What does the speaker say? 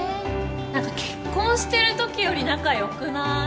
何か結婚してるときより仲良くない？